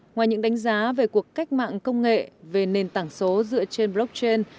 ngoài những đánh giá về cuộc cách mạng công nghệ về nền tảng số dựa trên blockchain